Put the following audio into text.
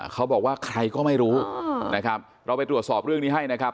เขาบอกว่าใครก็ไม่รู้นะครับเราไปตรวจสอบเรื่องนี้ให้นะครับ